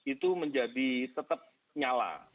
itu tetap menyala